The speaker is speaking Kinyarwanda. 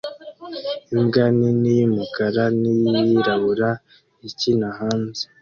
Imbwa nini y'umukara n'iyirabura ikina hanze